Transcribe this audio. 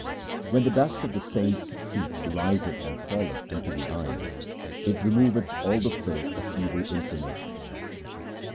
When the dust of the saints' feet riseth and falleth into the eyes, it removeth all the filth of evil inclinations.